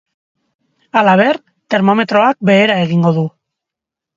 Halaber, termometroak behera egingo du.